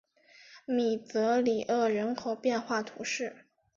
米泽里厄人口变化图示